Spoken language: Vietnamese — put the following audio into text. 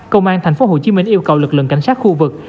công an tp hcm yêu cầu lực lượng cảnh sát khu vực